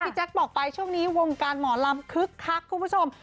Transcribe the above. แจ๊คบอกไปช่วงนี้วงการหมอลำคึกคักคุณผู้ชม